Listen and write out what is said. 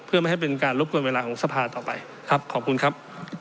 เพื่อไม่ให้เป็นการรบกวนเวลาของสภาต่อไปครับขอบคุณครับ